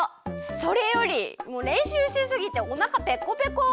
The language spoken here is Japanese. それよりれんしゅうしすぎておなかペコペコ！